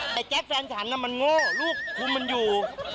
แต่แจ๊คแฟนฉันมันโง่ลูกคุมมันอยู่